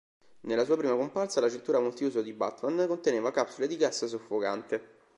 Nella sua prima comparsa, la cintura multiuso di Batman conteneva "capsule di gas soffocante".